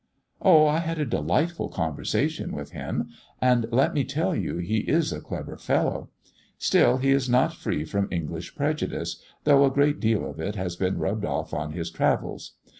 "O I had a delightful conversation with him, and let me tell you he is a clever fellow. Still he is not free from English prejudice, though a great deal of it has been rubbed off on his travels.